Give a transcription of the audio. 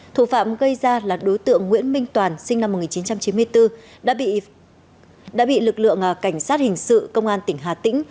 thủ phạm gây ra là đối tượng nguyễn minh toàn sinh năm một nghìn chín trăm chín mươi bốn đã bị lực lượng cảnh sát hình sự công an tỉnh hà tĩnh